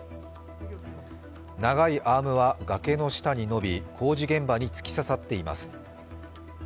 長いアームは崖の下に伸び、工事現場に突き刺さっています。